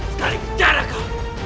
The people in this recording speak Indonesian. sekali kejar aku